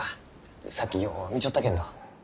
さっきよう見ちょったけんど。